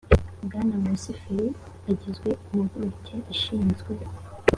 bwana nkusi felly agizwe impuguke ishinzwe mr